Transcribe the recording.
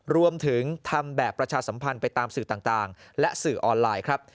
รวมถึงทำแบบประชาสัมพันธ์ไปตามสื่อต่างและสื่อออนไลน์ครับ